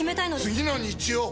次の日曜！